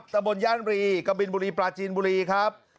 ตะบนย่านรีกะบินบุรีปลาจีนบุรีครับ